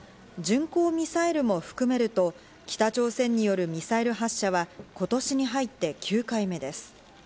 巡航ミサイルも含めると、北朝鮮によるミサイル発射は今年に入って９回目です。